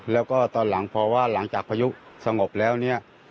แล้วก็ตอนหลังเพราะว่าหลังจากประยุสงบแล้วนี่